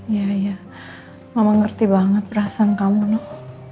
iya iya mama ngerti banget perasaan kamu noh